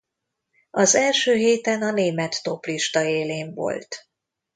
Az első héten a német toplista élén volt.